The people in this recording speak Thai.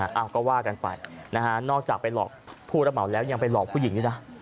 เอาก็ว่ากันไปนะฮะนอกจากไปหลอกผู้ระเหมาแล้วยังไปหลอกผู้หญิงด้วยนะ